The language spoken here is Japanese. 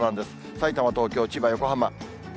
さいたま、東京、千葉、横浜。